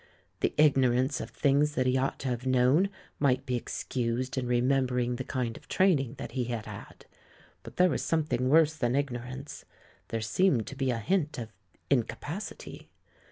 The ignorance of things that he ought to have known might be excused in remembering the kind of training that he had had ; but there was something worse than ignorance ; there seemed to be a hint of in capacity.